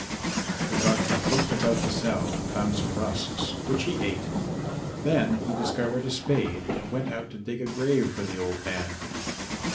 The godson looked about the cell and found some rusks, which he ate; then he discovered a spade and went out to dig a grave for the old man.